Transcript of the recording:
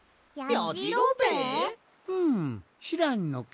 うんしらんのかね？